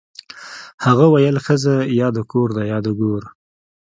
هغه ویل ښځه یا د کور ده یا د ګور